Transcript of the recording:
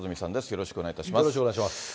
よろしくお願いします。